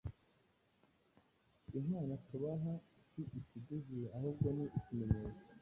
Inkwano tubaha si ikiguzi ahubwo ni ikimenyetso